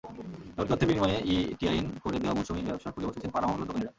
এমনকি অর্থের বিনিময়ে ই-টিআইএন করে দেওয়ার মৌসুমি ব্যবসা খুলে বসেছেন পাড়া-মহল্লার দোকানিরা।